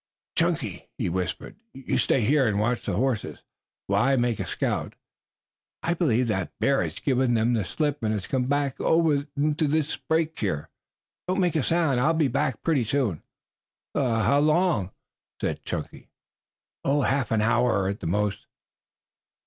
"Chunky," he whispered, "you stay here and watch the horses while I make a scout. I believe that bear has given them the slip and has come over into the brake here. Don't make a sound. I will be back pretty soon." "How long?" "Half an hour at the most."